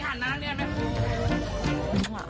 แม้ขนมพูกว่าอย่ัง